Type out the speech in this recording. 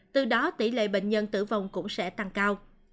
từ đó tỷ lệ bệnh nhân tử vong cũng sẽ tăng cao